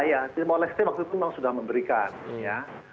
ya timor leste waktu itu memang sudah memberikan ya